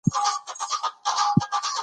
افغانستان د غوښې د ښه کیفیت لپاره مشهور دی.